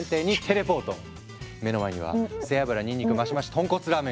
目の前には背脂にんにくマシマシ豚骨ラーメンが！